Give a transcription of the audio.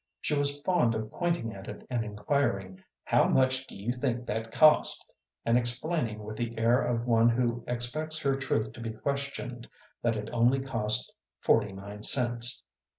She was fond of pointing at it, and inquiring, "How much do you think that cost?" and explaining with the air of one who expects her truth to be questioned that it only cost forty nine cents.